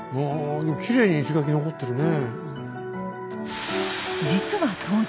きれいに石垣残ってるね。